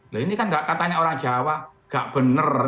nah ini kan katanya orang jawa nggak bener